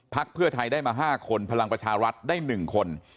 พลักษณ์เพื่อไทยได้มาห้าคนพลังประชารัฐได้หนึ่งคน